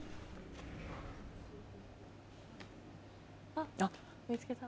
あっ見つけた。